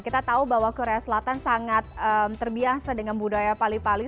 kita tahu bahwa korea selatan sangat terbiasa dengan budaya pali pali